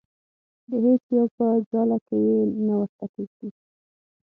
د هیڅ یو په ځاله کې یې نه ورته کېږدي.